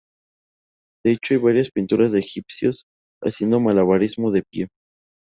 De hecho hay varias pinturas de egipcios haciendo malabarismo de pie.